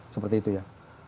seperti itu ya